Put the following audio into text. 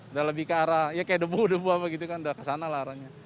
udah lebih ke arah ya kayak debu debu apa gitu kan udah kesana lah arahnya